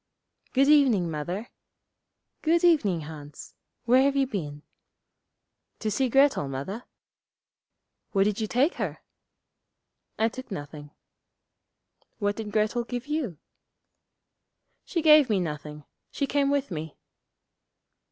'Good evening, Mother.' 'Good evening, Hans. Where have you been?' 'To see Grettel, Mother.' 'What did you take her?' 'I took nothing.' 'What did Grettel give you?' 'She gave me nothing. She came with me.'